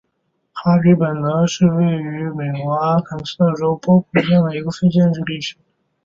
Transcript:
哈皮本德是位于美国阿肯色州波普县的一个非建制地区。